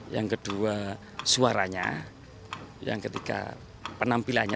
yang kedua suaranya yang ketika penampilannya